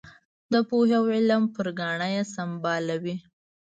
د پوهې او علم پر ګاڼه یې سمبالوي.